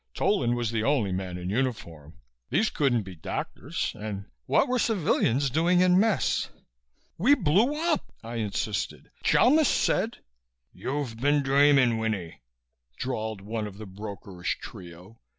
Tolan was the only man in uniform. These couldn't be doctors and what were civilians doing in mess.... "We blew up!" I insisted. "Chalmis said...." "You've been dreaming, Winnie," drawled one of the brokerish trio.